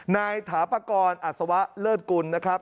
ถาปกรอัศวะเลิศกุลนะครับ